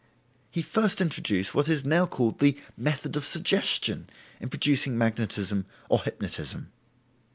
He first introduced what is now called the "method of suggestion" in producing magnetism or hypnotism.